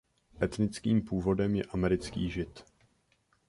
Etnickým původem je americký žid.